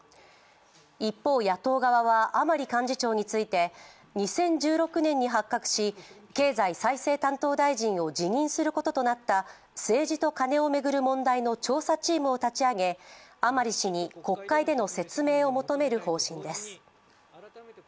一方、野党側は甘利幹事長について２０１６年に発覚し経済再生担当大臣を辞任することとなった政治とカネを巡る問題の調査チームを立ち上げ甘利氏に国会での説明を求める方針です。